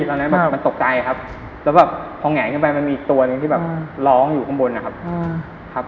ตอนนั้นมันตกใจครับแล้วพอแหงขึ้นไปมันมีตัวนึงที่ร้องอยู่ข้างบนนะครับ